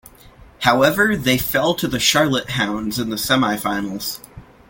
However, they fell to the Charlotte Hounds in the semifinals.